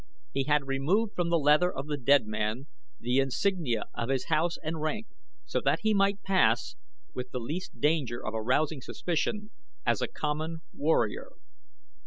He had removed from the leather of the dead man the insignia of his house and rank so that he might pass, with the least danger of arousing suspicion, as a common warrior.